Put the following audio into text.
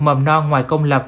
mầm non ngoài công lập